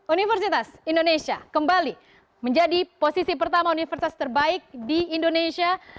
universitas indonesia kembali menjadi posisi pertama universitas terbaik di indonesia